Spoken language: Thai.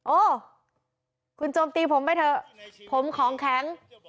โอ้คุณโจมตีผมไปเถอะผมของแข็ง